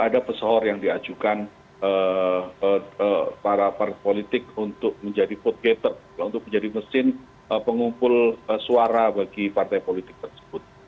ada pesohor yang diajukan para partai politik untuk menjadi vote gator untuk menjadi mesin pengumpul suara bagi partai politik tersebut